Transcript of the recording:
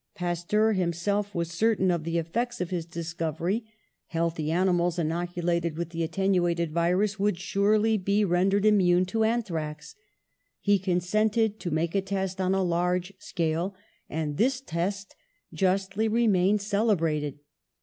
Pasteur himself was certain of the effects of his discov THE CURATIVE POISON 120 ery, healthy animals inoculated with the atten uated virus would surely be rendered immune to anthrax. He consented to make a test on a large scale, and this test justly remained cele brated.